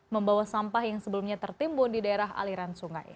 membawa sampah yang sebelumnya tertimbun di daerah aliran sungai